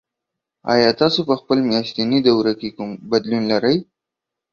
ایا تاسو په خپل میاشتني دوره کې کوم بدلون لرئ؟